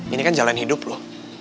ini kan jalan hidup loh